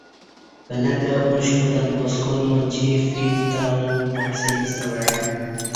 پلہ کہ اوش کوتت با سکال منچی فیل تہ اوں وپسینستہ وعیاں